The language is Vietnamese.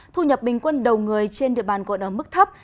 thu nhập bình quân đầu người trên địa bàn còn ở mức thấp